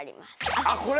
あっこれ？